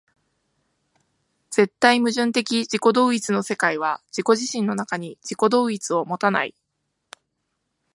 絶対矛盾的自己同一の世界は自己自身の中に自己同一を有たない。